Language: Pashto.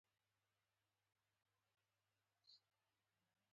آزاد تجارت مهم دی ځکه چې پرمختګ پایداره کوي.